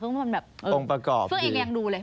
เพิ่งมันแบบปรงประกอบดีเพิ่งเองยังดูเลย